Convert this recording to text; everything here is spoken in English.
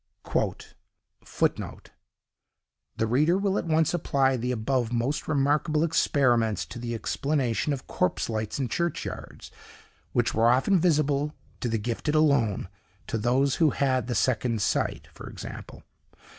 "(The reader will at once apply the above most remarkable experiments to the explanation of corpse lights in churchyards, which were often visible to the gifted alone—to those who had the second sight, for example.